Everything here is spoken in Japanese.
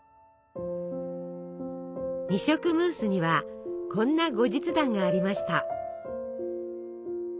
二色ムースにはこんな後日談がありました。